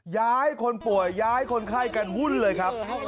ย้ายคนป่วยย้ายคนไข้กันวุ่นเลยครับ